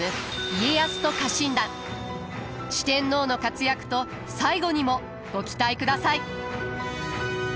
四天王の活躍と最期にもご期待ください。